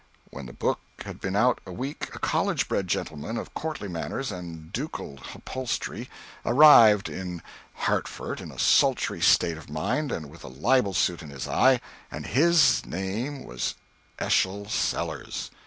When the book had been out a week, a college bred gentleman of courtly manners and ducal upholstery arrived in Hartford in a sultry state of mind and with a libel suit in his eye, and his name was Eschol Sellers!